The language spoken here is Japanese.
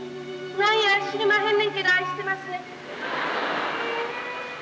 何や知りまへんねんけど愛してまっせ。